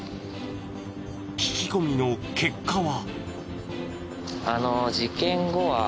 聞き込みの結果は。